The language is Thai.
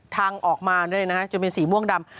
ทางออกมาแน่เลยนะฮะจนเป็นสีม่วงดำ